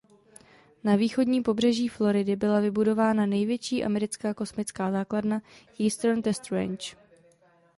Na východním pobřeží Floridy byla vybudována největší americká kosmická základna Eastern Test Range.